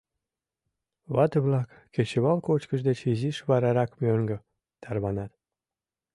Вате-влак кечывал кочкыш деч изиш варарак мӧҥгӧ тарванат.